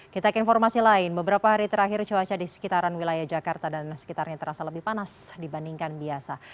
kita ke informasi lain beberapa hari terakhir cuaca di sekitaran wilayah jakarta dan sekitarnya terasa lebih panas dibandingkan biasa